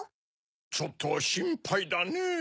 ちょっとしんぱいだねぇ。